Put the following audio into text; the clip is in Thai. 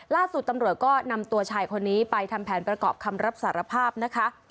ล่าสุดตำรวจก็นำตัวชายคนนี้ไปทำแผนประกอบคำรับสารภาพนะคะ